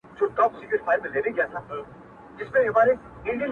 جادوګر دانې را وایستې دباندي٫